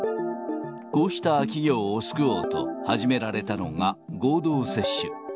こうした企業を救おうと、始められたのが、合同接種。